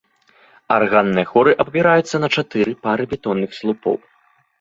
Арганныя хоры абапіраюцца на чатыры пары бетонных слупоў.